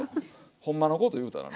ほんまのこというたらね。